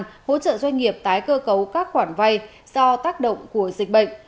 hỗ trợ doanh nghiệp tái cơ cấu các khoản vay do tác động của dịch bệnh